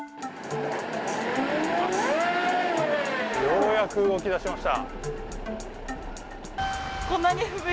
ようやく動きだしました。